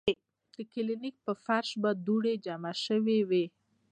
د کلینک پۀ فرش به دوړې جمع شوې وې ـ